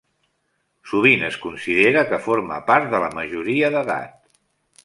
Sovint es considera que forma part de la majoria d'edat.